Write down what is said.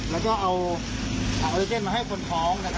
แล้วก็เอาออลิเจนมาให้คนท้องนะครับ